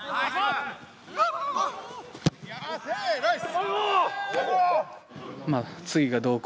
ナイス！